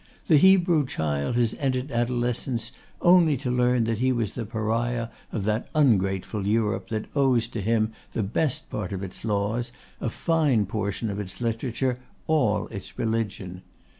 The Hebrew child has entered adolescence only to learn that he was the Pariah of that ungrateful Europe that owes to him the best part of its laws, a fine portion of its literature, all its religion.